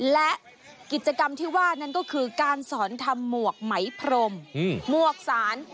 และกิจกรรมที่ว่านั่นก็คือการสอนทำหมวกไหมพรมหมวกสาร